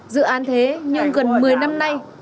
dự án thế nhưng gần một mươi năm nay